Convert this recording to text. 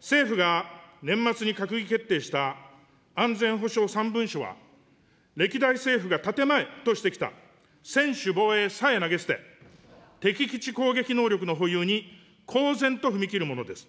政府が年末に閣議決定した、安全保障３文書は、歴代政府が建て前としてきた専守防衛さえ投げ捨て、敵基地攻撃能力の保有に公然と踏み切るものです。